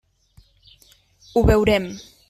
Ho veurem.